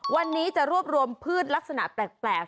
วันนี้จะรวบรวมพืชลักษณะแปลก